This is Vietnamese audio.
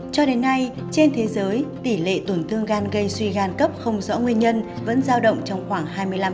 cho đến nay trên thế giới tỷ lệ tổn thương gan gây suy gan cấp không rõ nguyên nhân vẫn giao động trong khoảng hai mươi năm